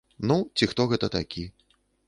Ну, ці хто гэта такі.